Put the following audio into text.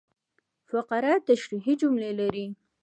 فقره تشریحي جملې لري.